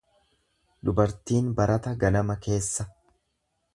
Dubartiin barata ganama keessa.